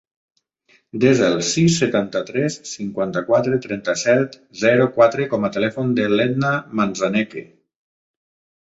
Desa el sis, setanta-tres, cinquanta-quatre, trenta-set, zero, quatre com a telèfon de l'Edna Manzaneque.